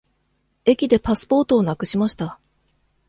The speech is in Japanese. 駅でパスポートをなくしました。